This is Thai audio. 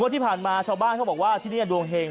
ที่ผ่านมาชาวบ้านเขาบอกว่าที่นี่ดวงเฮง